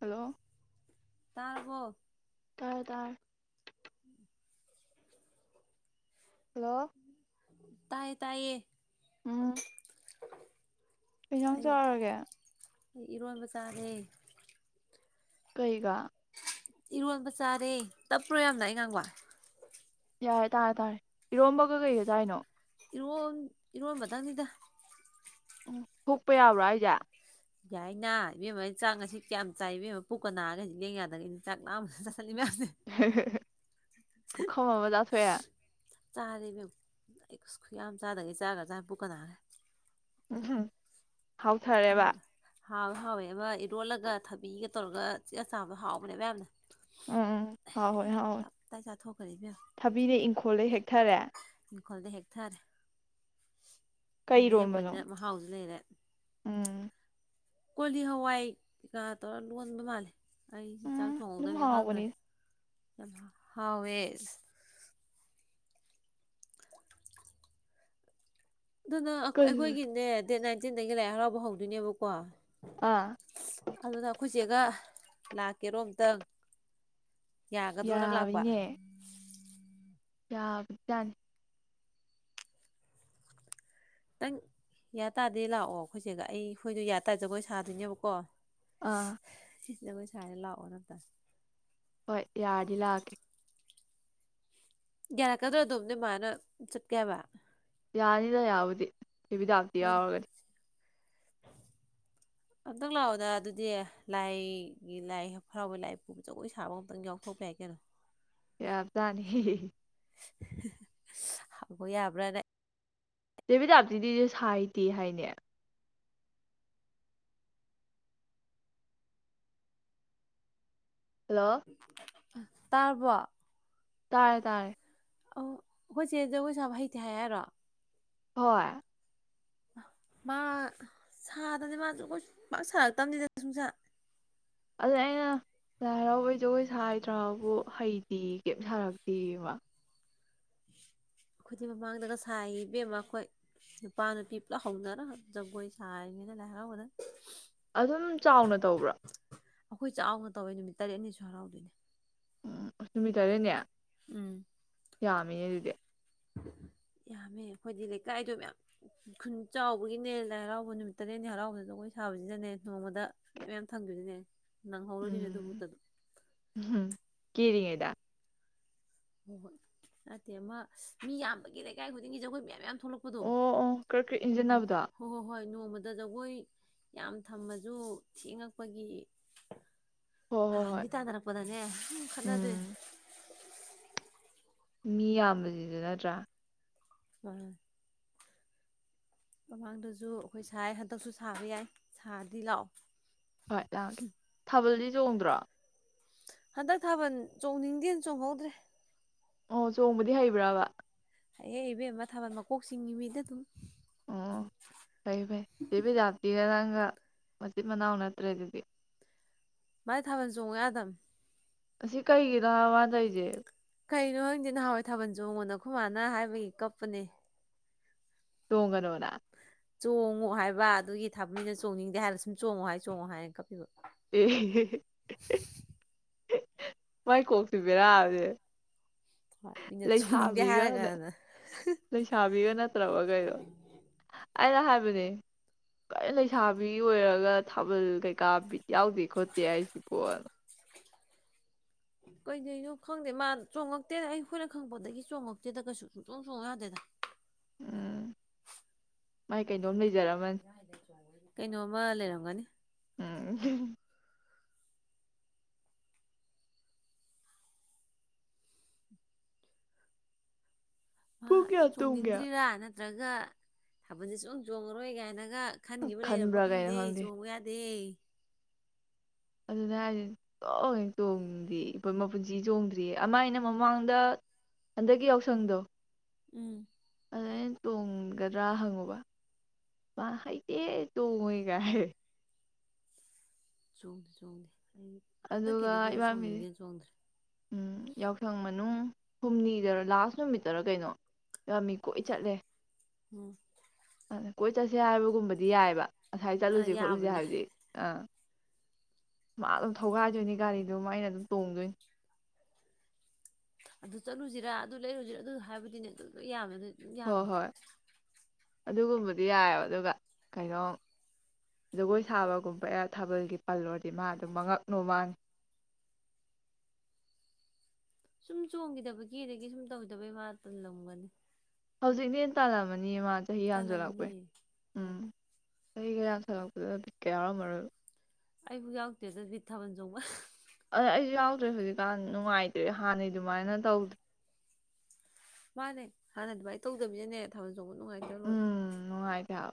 hello ꯇꯥꯔꯕꯣ ꯇꯥꯔꯦ ꯇꯥꯔꯦ ꯍꯜꯂꯣ ꯇꯥꯌꯦ ꯇꯥꯌꯦ ꯎꯝ ꯀꯩ ꯖꯥꯡ ꯑꯩ ꯆꯥꯔꯒꯦ ꯏꯔꯣꯟꯕ ꯆꯥꯔꯦ ꯀꯩꯒ ꯏꯔꯣꯟꯕ ꯆꯥꯔꯦ ꯇꯞꯄ꯭ꯔꯣ ꯌꯥꯝꯅ ꯑꯩꯉꯥꯡꯕ ꯌꯥꯔꯦ ꯇꯥꯔꯦ ꯇꯥꯔꯦ ꯏꯔꯣꯟꯕꯒ ꯀꯩꯒ ꯆꯥꯥꯏꯅꯣ ꯏꯔꯣꯜ ꯏꯔꯣꯟꯕ ꯗꯪꯅꯤꯗ ꯎꯝ ꯍꯨꯛꯄ ꯌꯥꯎꯕ꯭ꯔꯣ ꯍꯥꯏꯁꯦ ꯌꯥꯏꯅ ꯏꯕꯦꯝꯃ ꯑꯩ ꯆꯥꯛ ꯉꯁꯤ ꯀꯌꯥꯝ ꯆꯥꯏ ꯏꯕꯦꯝꯃ ꯄꯨꯛꯀ ꯅꯥꯒꯩ ꯂꯦꯡ ꯌꯥꯗꯒꯩꯅꯤ ꯆꯥꯛ ꯃꯌꯥꯝ ꯍꯦ ꯍꯦ ꯍꯦ ꯄꯨꯈꯝ ꯑꯃ ꯆꯥꯊꯣꯛꯑꯦ ꯆꯥꯔꯦ ꯕꯦꯝ ꯑꯦꯛꯁ ꯈꯨꯌꯥꯝ ꯆꯥꯗꯒꯩ ꯆꯥꯈ꯭ꯔꯖꯥꯠꯅꯦ ꯄꯨꯛꯀ ꯅꯥꯔꯦ ꯎ ꯍꯝ ꯍꯥꯎꯊꯔꯦꯕ ꯑꯃ ꯍꯥꯎꯋꯦ ꯍꯥꯎꯋꯦ ꯑꯃ ꯏꯔꯣꯜꯂꯒ ꯊꯕꯤꯒ ꯇꯧꯔꯒ ꯆꯤꯛꯑ ꯆꯥꯕꯗꯣ ꯍꯥꯎꯕꯅꯦꯕ ꯌꯥꯝꯅ ꯎꯝ ꯎꯝ ꯍꯥꯎꯋꯦ ꯍꯥꯎꯋꯦ ꯇꯞ ꯇꯥꯏ ꯆꯥꯊꯣꯛꯈ꯭ꯔꯦ ꯏꯕꯦꯝꯃ ꯊꯕꯤꯅ ꯏꯪꯈꯣꯜꯗꯩ ꯍꯦꯛ ꯊꯔꯦ ꯏꯈꯣꯜꯗꯩ ꯍꯦꯛꯊꯁꯦ ꯈꯣꯟꯗꯩ ꯀꯩꯔꯣꯝꯕꯅꯣ ꯍꯦꯛꯄꯅꯤꯅ ꯃꯍꯥꯎꯁꯨ ꯂꯩꯔꯦ ꯎꯝ ꯀꯣꯂꯤ ꯍꯋꯥꯢꯒ ꯇꯧꯔ ꯂꯣꯟꯕ ꯃꯥꯜꯂꯦ ꯑꯩ ꯆꯥꯛ ꯎꯝ ꯑꯗꯨꯝ ꯊꯣꯡꯍꯧꯗꯝꯅꯤꯅ ꯈꯪꯗ꯭ꯔꯦ ꯍꯥꯎꯕꯅꯤ ꯍꯥꯎꯋꯦ ꯑꯗꯨꯅ ꯑ ꯀꯩ ꯑꯩꯈꯣꯏꯒꯤꯅꯦ ꯗꯦꯠ ꯅꯥꯏꯟ ꯇꯤꯟꯗꯒꯤ ꯂꯥꯏ ꯍꯔꯥꯎꯕ ꯍꯧꯗꯣꯏꯅꯦꯕꯀꯣ ꯑꯥ ꯑꯗꯨꯗ ꯑꯩꯈꯣꯏ ꯆꯦꯒ ꯂꯥꯛꯀꯦꯔꯣ ꯑꯝꯇꯪ ꯌꯥꯒꯗ꯭ꯔꯣ ꯅꯪ ꯂꯥꯛꯄ ꯌꯥꯕꯅꯤꯅꯦ ꯌꯥꯕꯖꯥꯠꯅꯤ ꯅꯪ ꯌꯥꯥꯇꯗꯤ ꯂꯥꯛꯑꯣ ꯑꯩꯈꯣꯏ ꯆꯦꯒ ꯑꯩ ꯑꯈꯣꯏꯗꯣ ꯌꯥꯇꯗꯤ ꯖꯒꯣꯏ ꯁꯥꯗꯣꯏꯅꯦꯕꯀꯣ ꯑꯥ ꯖꯒꯣꯢ ꯁꯥꯖꯦ ꯂꯥꯛꯑꯣ ꯅꯪ ꯑꯝꯇ ꯍꯣꯏ ꯌꯥꯔꯗꯤ ꯂꯥꯛꯀꯦ ꯌꯥꯔꯛꯀꯗ꯭ꯔꯣ ꯑꯗꯨꯝ ꯅꯣꯢ ꯃꯥꯅ ꯆꯠꯀꯦ ꯍꯥꯢꯕ ꯌꯥꯅꯤꯗ ꯌꯥꯕꯨꯗꯤ ꯕꯤꯗꯥꯞꯇꯤ ꯍꯣꯏꯗ ꯌꯥꯎꯔꯒ ꯑꯝꯇꯪ ꯂꯥꯛꯑꯣꯗꯅ ꯑꯗꯨꯗꯤ ꯂꯥꯏꯒꯤ ꯂꯥꯏ ꯍꯔꯥꯎꯕꯩ ꯂꯥꯏ ꯄꯨꯕ ꯖꯒꯣꯏ ꯁꯥꯕ ꯑꯃꯨꯛꯇꯪ ꯌꯥꯎꯊꯣꯛꯄ ꯌꯥꯏ ꯀꯩꯅꯣ ꯌꯥꯕꯖꯥꯠꯅꯤ ꯍꯤꯍꯤꯍꯤ [inaudible] ꯍꯥꯡꯉꯨ ꯌꯥꯕ꯭ꯔꯅꯦ ꯆꯦ ꯕꯤꯗꯥꯞꯇꯤꯗꯤ ꯁꯥꯏꯇꯦ ꯍꯥꯏꯅꯦ ꯍꯜꯂꯣ ꯇꯥꯔꯕꯣ ꯇꯥꯔꯦ ꯇꯥꯔꯦ ꯑ ꯈꯣꯏꯆꯦ ꯖꯒꯣꯏ ꯁꯥꯕ ꯍꯩꯇꯦ ꯍꯥꯢ ꯍꯥꯏꯔꯣ ꯍꯣꯏ ꯃꯥ ꯁꯥꯗꯗꯤ ꯃꯣꯢꯁꯨ ꯈꯣꯢ ꯄꯥꯛ ꯁꯥꯔꯛꯇꯕꯅꯤꯗ ꯁꯨꯡꯁꯥ ꯑꯗꯨꯗ ꯑꯩꯅ ꯂꯥꯏ ꯍꯔꯥꯎꯕꯩ ꯖꯒꯣꯏ ꯁꯥ ꯍꯩꯇ꯭ꯔ ꯍꯥꯢꯕꯨ ꯍꯩꯇꯦꯌꯦ ꯀꯩꯝ ꯁꯥꯔꯛꯇꯦꯌꯦ ꯃꯥ ꯑꯩꯈꯣꯢꯗꯤ ꯃꯃꯥꯡꯗꯒ ꯁꯥꯥꯏꯌꯦ ꯏꯕꯦꯝꯃ ꯑꯩꯈꯣꯏ ꯅꯨꯄꯥ ꯅꯨꯄꯤ ꯄꯨꯂꯞ ꯍꯧꯅꯔ ꯖꯒꯣꯏ ꯁꯥꯔꯤꯅꯤꯗ ꯂꯥꯏ ꯍꯔꯥꯎꯕꯅ ꯑꯗꯨꯝ ꯆꯥꯎꯅ ꯇꯧꯕ꯭ꯔ ꯑꯩꯈꯣꯏ ꯆꯥꯎꯅ ꯇꯧꯋꯦ ꯅꯨꯃꯤꯠ ꯇꯔꯦꯠꯅꯤꯁꯨ ꯍꯔꯥꯎꯗꯣꯏꯅꯦ ꯎ ꯅꯨꯃꯤꯠ ꯇꯔꯦꯠꯅꯤ ꯎꯝ ꯌꯥꯝꯃꯤꯅꯦ ꯑꯗꯨꯗꯤ ꯌꯥꯝꯃꯦ ꯑꯩꯈꯣꯏꯗꯤ ꯂꯩꯀꯥꯏꯗꯣ ꯃꯌꯥꯝ ꯈꯨꯟ ꯆꯥꯎꯕꯒꯤꯅꯦ ꯂꯥꯏ ꯍꯔꯥꯎꯕ ꯅꯨꯃꯤꯠ ꯇꯔꯦꯠꯅꯤ ꯍꯔꯥꯎꯕꯗ ꯖꯒꯣꯏ ꯁꯥꯕꯁꯤꯗꯅꯦ ꯅꯣꯡꯃꯗ ꯃꯌꯥꯝ ꯃꯌꯥꯝ ꯊꯪꯗꯩꯅꯦ ꯅꯪꯍꯧꯔꯣꯏꯗꯣꯏꯅꯦ ꯎꯝ ꯑꯗꯨꯕꯨꯛꯇ ꯎꯝ [inaudible] ꯍꯣ ꯍꯣꯏ ꯅꯠꯇꯦ ꯃ ꯃꯤ ꯌꯥꯝꯕꯒꯤ ꯂꯩꯀꯥꯏ ꯈꯨꯗꯤꯡꯒꯤ ꯖꯒꯣꯏ ꯃꯌꯥꯝ ꯌꯥꯝ ꯊꯣꯛꯂꯛꯄꯗꯣ ꯑꯣ ꯑꯣ ꯀ꯭ꯔꯛ ꯀ꯭ꯔꯛ ꯏꯟꯖꯟꯅꯕꯗꯣ ꯍꯣ ꯍꯣ ꯍꯣꯏ ꯅꯣꯡꯃꯗ ꯖꯒꯣꯏ ꯌꯥꯝ ꯊꯝꯃꯁꯨ ꯊꯦꯡꯉꯛꯄꯒꯤ ꯍꯣꯏ ꯍꯣꯏ ꯍꯣꯏ ꯍꯥꯟꯅꯗꯤ ꯇꯥꯟꯅꯔꯛꯄꯗꯅꯦ ꯁꯝ ꯈꯠꯅꯗꯩ ꯎꯝ ꯃꯤ ꯌꯥꯝꯕꯁꯤꯁꯨ ꯅꯠꯇ꯭ꯔ [unintelligible] ꯃꯃꯥꯡꯗꯁꯨ ꯑꯩꯈꯣꯏ ꯁꯥꯏ ꯍꯟꯗꯛꯁꯨ ꯁꯥꯕ ꯌꯥꯏ ꯁꯥꯗꯤ ꯂꯥꯛꯑꯣ ꯍꯣꯏ ꯂꯥꯛꯑꯒꯦ ꯊꯥꯕꯜꯗꯤ ꯆꯣꯡꯗ꯭ꯔꯣ ꯍꯟꯗꯛ ꯊꯥꯕꯜ ꯆꯣꯡꯅꯤꯡꯗꯦꯅ ꯆꯣꯡꯍꯧꯗ꯭ꯔꯦ ꯑꯣ ꯆꯣꯡꯕꯗꯤ ꯍꯩꯕ꯭ꯔꯕ ꯑꯦ ꯏꯕꯦꯝꯃ ꯊꯥꯕꯜ ꯃꯀꯣꯛ ꯆꯤꯡꯉꯤꯃꯤꯗ ꯑꯗꯨꯝ ꯑꯣ ꯐꯩ ꯐꯩ ꯆꯦ ꯕꯤꯗꯥꯞꯇꯤꯒ ꯒ ꯃꯆꯤꯟ ꯃꯅꯥꯎ ꯅꯠꯇ꯭ꯔꯦ ꯑꯗꯨꯗꯤ ꯃꯗꯤ ꯊꯥꯕꯟ ꯆꯣꯡꯉꯣ ꯌꯥꯗꯝ ꯑꯁꯤ ꯀꯩꯒꯤꯅꯣ ꯌꯥꯏꯕ ꯃ ꯇꯩꯁꯦ ꯀꯩꯅꯣ ꯍꯪꯗꯦ ꯅꯍꯥꯟꯋꯥꯏ ꯊꯥꯕꯜ ꯆꯣꯡꯉꯣꯅ ꯈꯣꯏ ꯃꯥꯅ ꯍꯥꯏꯕꯒꯤ ꯀꯞꯄꯅꯦ ꯇꯣꯡꯒꯅꯣꯅ ꯆꯣꯡꯉꯣ ꯍꯥꯏꯕ ꯑꯗꯨꯒꯤ ꯊꯥꯕꯅꯤꯅ ꯆꯣꯡꯅꯤꯡꯗꯦ ꯍꯥꯏꯔꯒ ꯁꯨꯝ ꯆꯣꯡꯉꯨ ꯍꯥꯏ ꯆꯣꯡꯉꯣ ꯍꯥꯏꯅ ꯀꯞꯄꯤꯕ ꯑꯦ [inaudible] ꯃꯥꯏ ꯀꯣꯛꯁꯦ ꯕꯦꯔꯥ ꯑꯝꯅꯤꯅꯦ ꯍꯣꯏ ꯃꯤꯅ ꯆꯣꯡꯅꯤꯡꯗꯦ ꯂꯩꯁꯥꯕꯤꯒ ꯍꯥꯏꯔꯒꯅ ꯂꯩꯁꯥꯕꯤꯒ ꯅꯠꯇ꯭ꯔꯕ ꯀꯩꯅꯣ ꯑꯩꯅ ꯍꯥꯏꯕꯅꯦ ꯀ ꯂꯩꯁꯥꯕꯤ ꯑꯣꯏꯔꯒ ꯊꯥꯕꯜ ꯀꯩꯀꯥ ꯌꯥꯎꯗꯦ ꯈꯣꯠꯇꯦ ꯍꯥꯏꯁꯤ ꯀꯣ ꯀꯩꯗꯩꯅꯣ ꯈꯪꯗꯦ ꯃꯥ ꯆꯣꯡꯉꯛꯇꯦꯗ ꯑꯩꯈꯣꯏꯅ ꯈꯪꯉꯛꯄꯗꯒꯤ ꯆꯣꯡꯉꯛꯇꯦꯗ ꯀꯩꯁꯨꯨ ꯁꯨꯛꯆꯣꯡ ꯆꯣꯡ ꯌꯥꯗꯦꯗ ꯎꯝ ꯃꯥꯏ ꯀꯩ ꯑꯗꯨꯝ ꯂꯩꯖꯔꯝꯃꯅꯤ ꯀꯩꯅꯣꯝꯃ ꯂꯩꯔꯝꯒꯅꯤ ꯎꯝ [inaudible] ꯃꯥ ꯄꯨꯡ ꯀꯌꯥ ꯇꯨꯝꯒꯦ ꯆꯣꯡꯅꯤꯡꯗ꯭ꯔꯤꯔ ꯅ ꯇꯪꯒ ꯊꯥꯕꯜꯁꯦ ꯁꯨꯛꯆꯣꯡ ꯆꯣꯡꯉꯔꯣꯏ ꯀꯥꯏꯅꯒ ꯈꯟꯈꯤꯕ ꯂꯩꯔꯕ ꯈꯟꯕ꯭ꯔꯥ ꯀꯩꯅꯣ ꯈꯪꯗꯦ ꯆꯣꯡꯉꯨ ꯌꯥꯗꯦ ꯑꯗꯨꯅꯦ ꯍꯥꯏꯖꯦ ꯁꯨꯆꯣꯡ ꯍꯦꯛ ꯆꯣꯡꯗꯦ ꯌꯦ ꯃꯄꯨꯟꯁꯤ ꯆꯣꯡꯗ꯭ꯔꯤꯌꯦ ꯑꯃ ꯑꯩꯅ ꯃꯃꯥꯡꯗ ꯍꯟꯗꯛꯀꯤ ꯌꯥꯎꯁꯪꯗꯣ ꯎꯝ ꯑꯗ ꯑꯩꯅ ꯆꯣꯡꯒꯗ꯭ꯔꯥ ꯍꯪꯉꯨꯕ ꯃꯥ ꯍꯩꯇꯦ ꯆꯣꯡꯉꯣꯏꯒ ꯍꯥꯏꯔꯛ ꯑꯦ ꯆꯣꯡꯗꯦ ꯆꯣꯡꯗꯦ ꯑꯩ ꯑꯗꯨꯒ ꯍꯟꯗꯛꯀꯤꯗꯤ ꯑꯩꯈꯣꯏꯁꯨ ꯏꯕꯥꯕꯤ ꯆꯣꯡꯅꯤꯡꯗꯦꯅ ꯆꯣꯡꯗ꯭ꯔꯦ ꯎꯝ ꯌꯥꯎꯁꯪ ꯃꯅꯨꯡ ꯍꯨꯝꯅꯤꯗꯔꯥ ꯂꯥꯁ ꯅꯨꯃꯤꯠꯇꯔ ꯀꯩꯅꯣ ꯝꯝ ꯃꯤ ꯀꯣꯏ ꯆꯠꯂꯦ ꯎꯝ ꯀꯣꯏ ꯆꯠꯁꯦ ꯍꯥꯏꯕꯒꯨꯝꯕꯗꯤ ꯌꯥꯏꯕ ꯑꯁꯥꯏ ꯑ ꯆꯠꯂꯨꯁꯤ ꯈꯣꯠꯂꯨꯁꯦ ꯌꯥꯕꯅꯦ ꯍꯥꯏꯕꯗꯤ ꯑ ꯃꯥ ꯑꯗꯨꯝ ꯊꯧꯒꯥꯏꯗꯣꯏꯅꯤ ꯒꯥꯔꯤꯗꯨꯃ ꯑꯩꯅ ꯑꯗꯨꯝ ꯇꯣꯡꯗꯣꯏꯅꯤ ꯑꯗꯨ ꯆꯠꯂꯨꯖꯤꯔꯥ ꯑꯗꯨ ꯂꯩꯔꯨꯖꯤꯔꯥ ꯑꯗꯨ ꯍꯥꯏꯕꯗꯤꯅꯦ ꯑꯗꯨꯝ ꯂꯣꯏ ꯌꯥꯕꯅꯦ ꯎꯝ ꯍꯣꯏ ꯌꯥꯕꯅꯦ ꯍꯣꯏ ꯑꯗꯨꯒꯨꯝꯕꯗꯤ ꯌꯥꯏꯑꯕ ꯑꯗꯨꯒ ꯀꯩꯅꯣ ꯖꯒꯣꯏ ꯁꯥꯕꯒꯨꯝꯕ ꯊꯥꯕꯜꯒꯤ ꯄꯜꯂꯨꯔꯗꯤ ꯃꯥ ꯑꯗꯨ ꯃꯉꯛ ꯅꯣꯝꯃꯛ ꯑꯅꯤ ꯁꯨꯝ ꯆꯣꯡꯒꯤꯗꯕꯒꯤ ꯑꯗꯒꯤ ꯁꯨꯝ ꯇꯧꯒꯤꯗꯕꯩ ꯃꯥ ꯇꯜꯂꯝꯒꯅꯤ ꯍꯧꯖꯤꯛꯅ ꯍꯦꯟ ꯇꯜꯂꯝꯃꯅꯤ ꯃꯥ ꯆꯍꯤ ꯌꯥꯝꯖꯤꯟ ꯂꯥꯛꯄꯩ ꯇꯜꯂꯝꯅꯤꯌꯦ ꯎꯝ ꯆꯥꯍꯤꯒꯥ ꯌꯥꯝ ꯁꯠꯂꯛꯄꯗꯨꯗꯥ ꯕꯤꯠꯀ ꯌꯥꯎꯔꯝꯃꯔꯣꯏꯕ ꯑꯩꯕꯨ ꯌꯥꯎꯗꯦꯗꯪꯗ ꯕꯤꯠ ꯊꯥꯕꯜ ꯆꯣꯡꯕ ꯑ ꯑꯩꯁꯨ ꯌꯥꯎꯗ꯭ꯔꯦ ꯍꯧꯖꯤꯛꯀꯥꯟ ꯅꯨꯡꯉꯥꯏꯇ꯭ꯔꯦ ꯍꯥꯟꯅꯩ ꯑꯗꯨꯃꯥꯏꯅ ꯇꯧꯗ꯭ꯔꯦ ꯃꯥꯅꯦ ꯍꯥꯟꯅꯩ ꯗꯨꯃꯥꯏ ꯇꯧꯗꯅꯤꯝꯅꯅꯦ ꯊꯥꯕꯜ ꯅꯦꯠꯆꯣꯛ ꯅꯨꯡꯉꯥꯏꯇ ꯂꯣꯔꯦ ꯎꯝ ꯅꯨꯡꯉꯥꯏꯇꯦ ꯍꯥꯏꯕ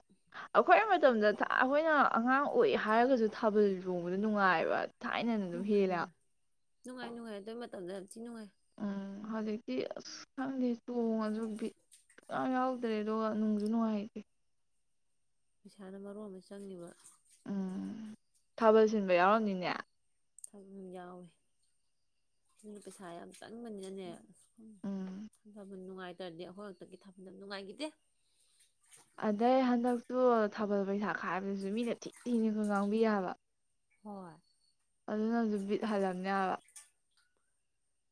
ꯑꯩꯈꯣꯏ ꯃꯇꯝꯗ ꯑꯩꯈꯣꯏꯅ ꯑꯉꯥꯡ ꯑꯣꯏꯌꯦ ꯍꯥꯏꯔꯒꯁꯨ ꯊꯥꯕꯜ ꯆꯣꯡꯕꯗ ꯅꯨꯡꯉꯥꯏꯕ ꯊꯥꯏꯅꯅ ꯑꯗꯨꯝ ꯅꯨꯡꯉꯥꯏ ꯍꯦꯜꯂꯦ ꯑ ꯅꯨꯡꯉꯥꯏ ꯅꯨꯡꯉꯥꯏ ꯅꯨꯡꯉꯥꯏ ꯑꯗꯨꯏ ꯃꯇꯝꯗ ꯌꯥꯝꯊꯤ ꯅꯨꯡꯉꯥꯏ ꯎꯝ ꯍꯧꯖꯤꯛꯇꯤ ꯑꯁ ꯈꯪꯗꯦ ꯆꯣꯡꯉꯁꯨ ꯕꯤꯠ ꯁꯨꯌꯥꯎ ꯌꯥꯎꯗ꯭ꯔꯦ ꯑꯗꯨꯒ ꯅꯨꯡꯁꯨ ꯅꯨꯡꯉꯥꯏꯇꯦ ꯄꯩꯁꯥꯅ ꯃꯔꯣꯟ ꯑꯃ ꯆꯪꯉꯤꯕ ꯎꯝ ꯊꯥꯕꯜ ꯁꯤꯟꯕ ꯌꯥꯎꯔꯝꯅꯤꯅꯦ ꯊꯥꯕꯜ ꯌꯥꯎꯋꯤ ꯑꯗꯨꯅ ꯄꯧꯁꯥ ꯌꯥꯝꯅ ꯆꯪꯕꯅꯤꯅ ꯅꯦ ꯎꯝ ꯊꯥꯕꯜ ꯅꯨꯡꯉꯥꯏꯇ꯭ꯔꯗꯤ ꯑꯩꯈꯣꯏ ꯍꯗꯛꯀꯤ ꯊꯥꯕꯜ ꯌꯝ ꯅꯨꯡꯉꯥꯏꯒꯤꯗꯦ ꯑꯗꯩ ꯍꯟꯗꯛꯇꯨ ꯊꯥꯕꯜ ꯄꯩꯁꯥ ꯈꯥꯏꯕꯖꯨ ꯃꯤꯅ ꯊꯤ ꯊꯤꯅꯒꯥ ꯉꯥꯡꯕꯤ ꯍꯥꯢꯕ ꯍꯣꯏ ꯑꯗꯨꯅꯁꯨ ꯕꯤꯠ ꯍꯜꯂꯝꯅꯤ ꯍꯥꯏꯕ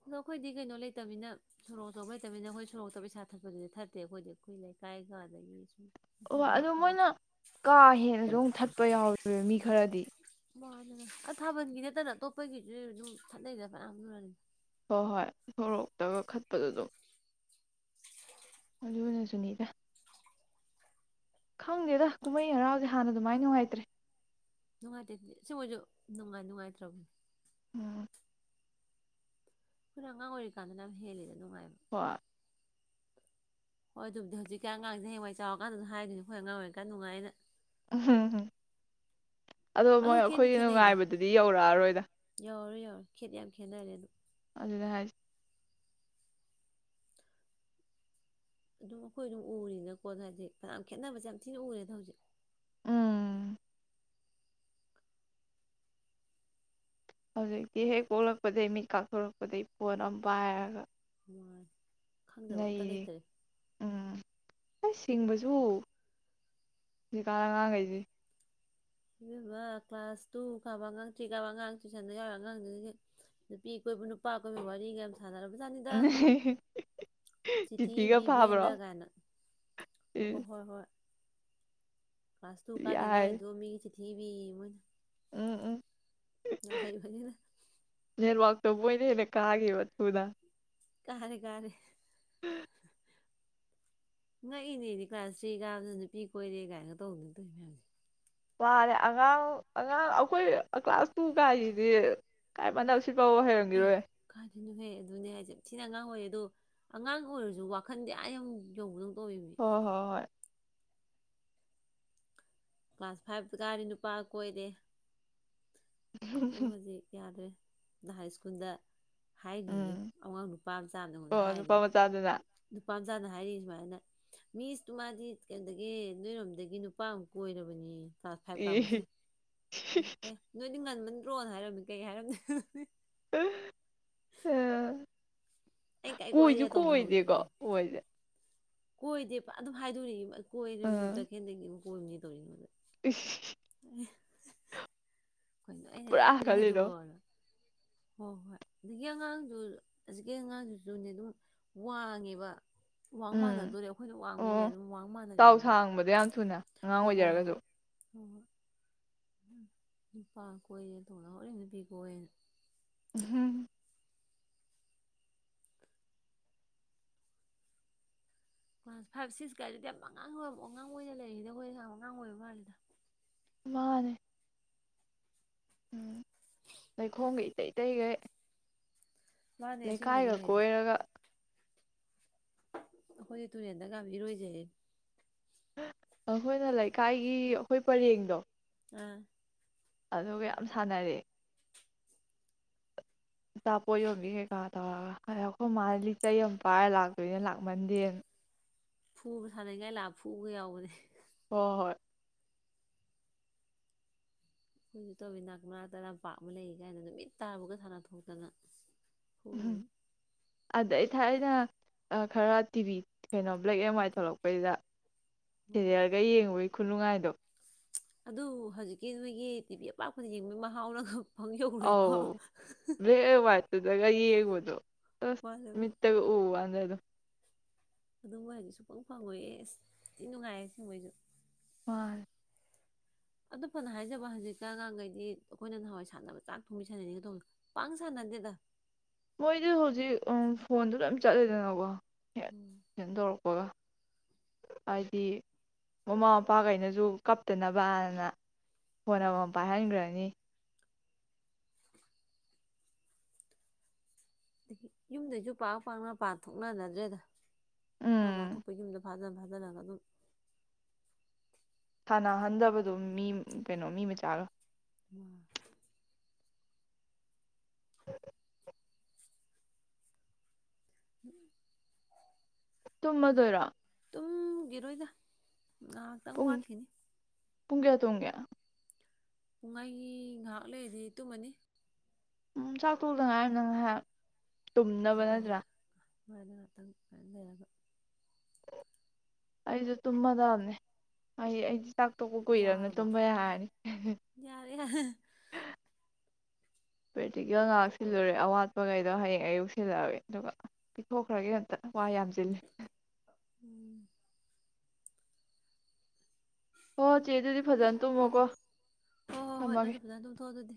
ꯑꯗꯣ ꯑꯩꯈꯣꯏꯗꯤ ꯀꯩꯅꯣ ꯂꯩꯇꯕꯅꯤꯅ ꯁꯣꯔꯣꯛ ꯑꯆꯧꯕ ꯂꯩꯇꯅꯤꯅ ꯑꯩꯈꯣꯏ ꯁꯣꯔꯣꯛꯇ ꯄꯩꯁꯥ ꯊꯠꯄꯗꯤꯗꯤ ꯊꯠꯇꯦ ꯑꯩꯈꯣꯏꯗꯤ ꯑꯩꯈꯣꯏ ꯂꯩꯀꯥꯏꯒ ꯑꯗꯒꯤ ꯁꯨꯝ ꯑꯣ ꯑꯗꯨꯗꯤ ꯌꯥꯝ ꯑꯗꯨ ꯈꯥꯏꯗꯦ ꯃꯣꯏꯅ ꯀꯥ ꯍꯦꯟꯅꯖꯨ ꯑꯃꯨꯛ ꯊꯠ ꯊꯠꯄ ꯌꯥꯎꯌꯦꯕ ꯃꯤ ꯈꯔꯥꯗꯤ ꯃꯥꯅꯦ ꯑꯗꯥ ꯊꯥꯕꯜꯒꯤ ꯅꯠꯇꯅ ꯑꯇꯣꯞꯄꯒꯤꯖꯨ ꯑꯗꯨꯝ ꯊꯠꯅꯩꯗꯅ ꯐꯅꯌꯥꯝ ꯑꯗꯨꯅꯅꯤ ꯍꯣꯏ ꯍꯣꯏ ꯁꯣꯔꯣꯛꯇꯒ ꯈꯠꯄꯗꯨ ꯑꯗꯨꯝ ꯑꯗꯨꯅ ꯁꯨꯅꯤꯗ ꯈꯪꯗꯦꯗ ꯀꯨꯝꯍꯩ ꯍꯔꯥꯎꯁꯦ ꯍꯥꯟꯅ ꯑꯗꯨꯃꯥꯏꯅ ꯅꯨꯡꯉꯥꯏꯇ꯭ꯔꯦ ꯅꯨꯡꯉꯥꯏꯇꯦ ꯑꯗꯨꯗꯤ ꯑꯁꯦꯡꯕꯩꯖꯨ ꯅꯨꯡꯉꯥꯏ ꯅꯨꯡꯉꯥꯏꯇ꯭ꯔꯕꯅꯦ ꯎꯝ ꯑꯩꯈꯣꯏꯅ ꯑꯉꯥꯡ ꯑꯣꯏꯔꯤꯀꯥꯟꯗꯅ ꯌꯝ ꯍꯦꯜꯂꯤꯗ ꯅꯨꯡꯉꯥꯏ ꯍꯣꯏ ꯍꯣꯏ ꯑꯗꯨꯕꯨꯗꯤ ꯍꯧꯖꯤꯛꯀꯥꯟ ꯑꯉꯥꯡꯖꯤꯅ ꯍꯌꯦꯋꯥꯏ ꯆꯥꯎꯔꯀꯥꯟꯗꯖꯨ ꯍꯥꯏꯗꯣꯏꯅꯤ ꯑꯩꯈꯣꯏ ꯑꯉꯥꯡ ꯑꯣꯏꯔꯤ ꯀꯥꯟ ꯅꯨꯡꯉꯥꯏꯌꯦꯅ ꯎꯝꯍꯨꯝꯍꯨꯝ ꯑꯗꯣ ꯃꯣꯏ ꯈꯦꯠꯗꯤ ꯑꯩꯈꯣꯏꯒꯤ ꯈꯦꯠꯅꯩꯗ ꯅꯨꯡꯉꯥꯏꯕꯗꯨꯗꯤ ꯌꯧꯔꯛꯑꯔꯣꯏꯗ ꯈꯦꯗꯤ ꯌꯥꯝ ꯈꯦꯅꯔꯗꯨꯝ [unintelligible] ꯑꯗꯨꯝ ꯑꯩꯈꯣꯏ ꯑꯗꯨꯝ ꯎꯔꯤꯅꯤꯅꯀꯣ ꯍꯥꯏꯗꯤ ꯐꯅꯌꯥꯝ ꯈꯦꯠꯅꯕꯁꯦ ꯌꯥꯝ ꯊꯤꯅ ꯎꯔꯦꯗ ꯍꯧꯖꯤꯛ ꯎꯝ ꯍꯧꯖꯤꯛꯇꯤ ꯍꯦꯛ ꯄꯣꯛꯂꯛꯄꯗꯩ ꯃꯤꯠ ꯀꯥꯛꯊꯣꯔꯛꯄꯗꯩ ꯐꯣꯟ ꯑꯝ ꯄꯥꯏꯔꯒ ꯈꯪꯗꯕ ꯑꯝꯇ ꯂꯩꯔꯤ ꯂꯩꯇ꯭ꯔꯦ ꯊꯤꯡꯕꯁꯨ ꯍꯧꯖꯤꯛꯀꯥꯟ ꯑꯉꯥꯡꯒꯩꯖꯦ ꯏꯕꯦꯝꯃ ꯀ꯭ꯂꯥꯁ ꯇꯨ ꯀꯥꯕ ꯑꯉꯥꯡ ꯇ꯭ꯔꯤꯀꯥꯕ ꯑꯉꯥꯡ ꯇ꯭ꯨꯏꯁꯟꯗ ꯌꯥꯎꯔꯤ ꯑꯉꯥꯡ ꯗꯨꯗꯗꯤ ꯅꯨꯄꯤ ꯀꯣꯏꯕ ꯅꯨꯄꯥ ꯀꯣꯏꯕꯩ ꯋꯥꯔꯤꯒ ꯌꯥꯝ ꯁꯥ ꯁꯥꯟꯅꯔꯕꯖꯥꯠꯅꯤꯗ ꯆꯤꯊꯤ ꯆꯤꯊꯤꯒ ꯏꯕꯤ ꯐꯥꯕ꯭ꯔꯣ ꯕꯦꯟꯗ ꯀꯥꯏꯅ ꯑꯣ ꯍꯣꯏ ꯍꯣꯏ ꯀ꯭ꯂꯥꯁ ꯇꯨ ꯀꯥꯗ ꯌꯥꯏ ꯉꯥꯏꯔꯤꯗꯣ ꯃꯤꯒꯤ ꯆꯤ ꯊꯤ ꯏꯕꯤꯑꯦ ꯃꯣꯏꯅ ꯎꯝ ꯎꯝ ꯌꯥꯝ ꯍꯩꯕꯅꯤꯅ ꯇꯣꯝꯕꯣꯏꯅ ꯍꯦꯟꯅ ꯀꯥꯒꯤꯕ ꯊꯨꯅ ꯀꯥꯔꯦ ꯀꯥꯔꯦ ꯉꯛꯏꯅꯦꯗꯤ ꯀ꯭ꯂꯥꯁ ꯊ꯭ꯔꯤ ꯀꯥꯕꯗꯨꯅ ꯅꯨꯄꯤ ꯀꯣꯏꯔꯦ ꯒꯥꯏꯅ ꯇꯧꯕꯗꯨ ꯇꯣꯏ ꯃꯌꯥꯝꯁꯦ ꯋꯥꯔꯦ ꯑꯉꯥꯡ ꯑꯉꯥꯡ ꯑꯩꯈꯣꯏ ꯀ꯭ꯂꯥꯁ ꯇꯨ ꯀꯥꯏꯖꯤꯗꯤ ꯀꯥꯏ ꯃꯥꯟꯞ ꯑꯦ ꯀꯥꯏꯗꯩꯅꯨꯍꯦ ꯑꯗꯨꯅꯦ ꯍꯥꯏꯖꯤ ꯌꯥꯝ ꯊꯤ ꯑꯉꯥꯡ ꯑꯣꯏꯌꯦ ꯑꯗꯣ ꯑꯉꯥꯡ ꯑꯣꯏꯔꯁꯨ ꯋꯥꯈꯟꯗꯤ ꯑꯥ ꯌꯧ ꯌꯧꯕꯗꯧ ꯇꯧꯋꯤꯃꯤ ꯍꯣ ꯍꯣ ꯍꯣꯏ ꯀ꯭ꯂꯥꯁ ꯐꯥꯏꯚ ꯀꯥꯔꯗꯤ ꯅꯨꯄꯥ ꯀꯣꯏꯔꯦ ꯍꯣ ꯍꯧꯖꯤꯛ ꯌꯥꯗ꯭ꯔꯦ [unintelligible] ꯅꯍꯥꯏꯁ꯭ꯀꯨꯜꯗ ꯍꯥꯏꯔꯤꯌꯦ ꯎꯝ ꯑꯉꯥꯡ ꯅꯨꯄꯥ ꯃꯆꯥꯝꯑꯝꯅ ꯑꯩꯉꯣꯟꯗ ꯑꯣ ꯅꯨꯄꯥ ꯍꯥꯏꯔꯤ ꯃꯆꯥꯗꯨꯅ ꯅꯨꯄꯥꯝꯆꯥꯅ ꯍꯥꯏꯔꯤ ꯁꯨꯃꯥꯏꯅ ꯃꯤꯁ ꯇꯨ ꯃꯥꯗꯤ ꯀꯩꯅꯣꯗꯒꯤ ꯅꯣꯏꯔꯣꯝꯗꯒꯤ ꯅꯨꯄꯥ ꯑꯝ ꯀꯣꯏꯔꯕꯅꯦꯌꯦ ꯀ꯭ꯂꯥꯁ ꯐꯥꯏꯚ ꯀꯥꯕ ꯏ ꯃꯁꯦꯟ ꯑꯦ ꯅꯣꯏꯅ ꯗꯤ ꯉꯟꯃꯟꯗ꯭ꯔꯣꯅ ꯍꯥꯏꯔꯝꯃꯤ ꯀꯩ ꯍꯥꯏꯔꯝꯗꯣꯏ [unintelligible] ꯑꯩ ꯀꯥꯏ ꯀꯣꯏꯁꯨ ꯀꯣꯏꯔꯦ ꯀꯣꯏꯗꯦꯀꯣ ꯃꯣꯏꯁꯦ ꯀꯣꯏꯗꯦꯕ ꯑꯗꯨꯝ ꯍꯥꯏꯗꯣꯔꯤꯕ ꯀꯣꯏꯔꯝꯅꯤ ꯇꯈꯦꯜꯗꯒꯤ ꯑꯃ [unintelligible] ꯏꯁ ꯈꯣꯏꯅ ꯑꯩꯅ ꯀꯩꯅꯣ ꯈꯜꯂꯤꯗꯣ ꯍꯥꯏꯖꯤꯕꯣꯅ ꯍꯣ ꯍꯣꯏ ꯍꯨꯖꯤꯛꯀꯤ ꯑꯉꯥꯡꯗꯨ ꯍꯖꯤꯛꯀꯤ ꯑꯉꯥꯡꯗꯨꯖꯨꯅꯦ ꯑꯗꯨꯝ ꯋꯥꯡꯉꯦꯕ ꯋꯥꯡ ꯎꯝ ꯃꯥꯟꯅꯗꯣꯔꯦ ꯑꯩꯈꯣꯏꯅ ꯋꯥꯡꯃꯤꯅꯦ ꯑꯣ ꯑꯗꯨꯝ ꯋꯥꯡ ꯆꯥꯎ ꯃꯥꯟꯅꯔꯛꯑꯦꯅꯤ ꯁꯥꯡꯕꯗꯣ ꯌꯥꯝ ꯊꯨꯅ ꯑꯉꯥꯡ ꯍꯣ ꯍꯣꯏ ꯑꯣꯏꯖꯔꯒꯁꯨ ꯍꯣꯏ ꯍꯣꯏ ꯅꯨꯄꯥ ꯀꯣꯏꯔꯦ ꯇꯧꯅꯥꯍꯧꯔꯤ ꯅꯨꯄꯤ ꯀꯣꯏꯌꯦꯅ ꯑꯍꯨꯝ ꯀ꯭ꯂꯥꯁ ꯐꯥꯏꯚ ꯁꯤꯛꯁꯀꯥꯏꯗꯗꯤ ꯌꯥꯝ ꯑꯉꯥꯡ ꯑꯣꯏ ꯑꯉꯥꯡ ꯑꯣꯏꯅ ꯂꯩꯔꯤꯗ ꯈꯣꯏ ꯑꯉꯥꯡ ꯑꯣꯏꯕ ꯃꯥꯜꯂꯤꯗ ꯃꯥꯟꯅꯦ ꯎꯝ ꯂꯩꯈꯣꯝꯒ ꯏꯇꯩ ꯏꯇꯩꯒꯩ ꯃꯥꯅꯦ ꯂꯩꯀꯥꯏꯒ ꯑꯁꯦꯡꯕꯩꯁꯨꯅꯦ ꯀꯣꯏꯔꯒ ꯑꯩꯈꯣꯏꯗꯤ ꯇꯨꯔꯦꯟꯗ ꯌꯥꯝ ꯏꯔꯣꯏꯖꯩꯌꯦ ꯑꯩꯈꯣꯏꯅ ꯂꯩꯀꯥꯏꯒꯤ ꯑꯩꯈꯣꯏ ꯄꯔꯦꯡꯗꯣ ꯑꯥ ꯑꯗꯨꯒ ꯌꯥꯝ ꯁꯥꯟꯅꯔꯛꯑꯦ ꯑꯆꯥꯄꯣꯠ ꯌꯣꯝꯕꯤ ꯀꯩꯀꯥ ꯇꯧꯔꯒ ꯑꯩꯈꯣꯏ ꯃꯥ ꯂꯤꯆꯩ ꯑꯃ ꯄꯥꯏꯔ ꯂꯥꯛꯇꯣꯏꯅꯦ ꯂꯥꯛꯃꯟꯗꯦꯅ ꯐꯨꯕ ꯁꯥꯟꯅꯅꯤꯡꯉꯥꯏ ꯂꯥꯛ ꯐꯨꯒ ꯌꯥꯎꯕꯅꯦ ꯍꯣ ꯍꯣꯏ ꯑꯩꯈꯣꯏꯖꯨ ꯇꯧꯋꯤ ꯅꯥꯛ ꯃꯅꯥꯛ ꯇ ꯂꯝꯄꯥꯛ ꯑꯃ ꯂꯩ ꯀꯥꯏꯅ ꯅꯨꯃꯤꯠ ꯇꯥꯕꯒ ꯁꯥꯟꯅ ꯊꯣꯛꯇꯅ ꯑꯍꯝ ꯍꯣꯔꯤꯅꯤ ꯑꯗꯩ ꯊꯥꯏꯅ ꯈꯔ ꯇꯤꯚꯤ ꯀꯩꯅꯣ ꯕ꯭ꯂꯦꯛ ꯑꯦꯟ ꯋꯥꯏꯠ ꯊꯣꯛꯂꯛꯄꯩꯗ ꯁꯤꯔꯦꯜ ꯒ ꯌꯦꯡꯉꯨꯕꯩ ꯈꯨꯅꯨꯡꯉꯥꯏꯗꯣ ꯑꯗꯨꯕꯨ ꯍꯧꯖꯤꯛꯀꯤ ꯅꯣꯏꯒꯤ ꯇꯤꯚꯤ ꯑꯄꯥꯛꯄꯗ ꯌꯦꯡꯕꯒꯤ ꯃꯍꯥꯎꯅꯒ ꯄꯪ ꯑꯥꯎ ꯌꯧꯔꯣꯏꯀꯣ ꯕ꯭ꯂꯦꯛ ꯑꯦꯟ ꯋꯥꯏꯠ ꯗꯨꯗꯒ ꯌꯦꯕꯗꯣ ꯑꯁ ꯃꯥꯅꯦ ꯃꯥꯅꯦ ꯃꯤꯠꯇꯒ ꯎꯕꯋꯥꯅꯦ ꯑꯗꯣ [inaudible] ꯑꯗꯨ ꯃꯣꯏ ꯍꯧꯖꯤꯛ ꯁꯨꯡꯐꯪ ꯐꯪꯉꯣꯏꯌꯦ ꯊꯤ ꯅꯨꯡꯉꯥꯏꯌꯦ ꯑꯁꯦꯡꯕꯩꯖꯨ ꯃꯥꯟꯅꯤ ꯑꯗꯨ ꯐꯅ ꯍꯥꯏꯖꯕ ꯋꯥꯅꯤ ꯍꯧꯖꯤꯛ ꯀꯥꯟ ꯑꯉꯥꯡꯒꯩꯗꯤ ꯑꯩꯈꯣꯏꯅ ꯅꯍꯥꯟꯋꯥꯏ ꯁꯥꯟꯅꯕ ꯆꯥꯛ ꯊꯣꯡꯕꯤ ꯁꯥꯟꯅꯩꯅꯤꯒ ꯇꯧꯕꯗꯣ ꯄꯥꯛ ꯁꯥꯟꯅꯗꯦꯗ ꯃꯣꯏꯗꯤ ꯍꯧꯖꯤꯛ ꯎꯝ ꯐꯣꯟꯗ ꯂꯣꯏ ꯆꯠꯂꯦꯗꯅꯀꯣ [unintelligible] ꯕꯒ ꯍꯥꯏꯗꯤ ꯃꯃꯥ ꯃꯄꯥꯒꯩꯅꯖꯨ ꯀꯞꯇꯅꯕꯅ ꯐꯣꯟ ꯑꯃꯃꯝ ꯄꯥꯏꯍꯟꯒ꯭ꯔꯅꯤ ꯌꯨꯝꯗꯩꯖꯨ ꯄꯥꯛ ꯄꯥꯛꯅ ꯃꯄꯥꯟ ꯊꯣꯛꯅꯅꯗ꯭ꯔꯦꯗ ꯃꯥ ꯎꯝ ꯃꯥꯥ ꯊꯣꯛꯄ ꯌꯨꯝꯗ ꯐꯥꯖꯟ ꯐꯥꯖꯟ ꯑꯗꯨꯅꯅ ꯑꯗꯨꯝ ꯁꯥꯟꯅꯍꯟꯗꯕꯗꯣ ꯃꯤ ꯀꯩꯅꯣ ꯃꯤ ꯃꯆꯥꯒ ꯃ [inaudible] ꯇꯨꯝꯃꯗꯣꯔꯣ ꯇꯨꯝꯒꯤꯔꯣꯏꯗ ꯉꯥꯍꯥꯛꯇꯪ ꯄꯨꯡ ꯋꯥꯠꯈꯤꯅꯤ ꯄꯨꯡ ꯀꯌꯥ ꯇꯨꯝꯒꯦ ꯨꯑꯩꯗꯤ ꯉꯥꯏꯍꯥꯛ ꯂꯩꯔꯗꯤ ꯇꯨꯝꯃꯅꯤ ꯎꯝ ꯆꯥꯛ ꯇꯣꯛꯇꯉꯥꯔꯤꯕꯅꯤꯅ ꯉꯩꯍꯥꯛ ꯇꯨꯝꯅꯕ ꯅꯠꯇ꯭ꯔꯥ ꯃꯅ ꯉꯥꯛꯇꯪ ꯂꯩꯔꯒ ꯑꯩꯁꯨ ꯇꯨꯝꯃꯗꯥꯕꯅꯦ ꯑꯩ ꯑꯩ ꯆꯥꯛ ꯇꯣꯛꯄ ꯀꯨꯏꯔꯕꯅꯤꯅ ꯋꯥꯔꯕ ꯇꯨꯝꯕ ꯌꯥꯔꯅꯤ ꯌꯥꯔꯦ ꯌꯥꯔꯦ ꯄ꯭ꯔꯦꯛꯇꯤꯀꯦꯜ ꯉꯍꯥꯛ ꯁꯤꯜꯂꯨꯔꯦ ꯑꯋꯥꯠꯄꯈꯩꯗꯣ ꯍꯌꯦꯡ ꯑꯌꯨꯛ ꯁꯤꯜꯂꯛꯑꯒꯦ ꯑꯗꯨꯒ ꯄꯤꯊꯣꯛꯈ꯭ꯔꯒꯦ ꯍꯦꯛꯇ ꯋꯥ꯭ꯏ ꯌꯥꯝꯆꯤꯜꯂꯤ ꯎꯝ ꯍꯣꯠ ꯏꯆꯦꯗꯨꯗꯤ ꯐꯖꯅ ꯑꯣ ꯇꯨꯝꯃꯣꯀꯣ ꯍꯣꯏ ꯍꯣꯏ ꯍꯣꯏ ꯊꯝꯃꯒꯦ ꯅꯪꯁꯨ ꯐꯖꯅ ꯇꯨꯝꯊꯣꯛꯑꯣ ꯑꯗꯨꯗꯤ